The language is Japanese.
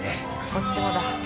こっちもだ。